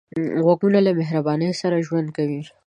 غوږونه له مهرباني سره ژوند کوي